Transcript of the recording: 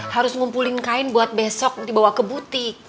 harus ngumpulin kain buat besok dibawa ke butik